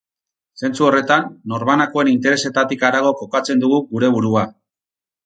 Zentzu horretan, norbanakoen interesetatik harago kokatzen dugu gure burua.